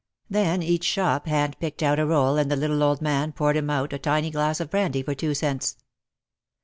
Then each shop hand picked out a roll and the little old man poured him out a tiny glass of brandy for two cents.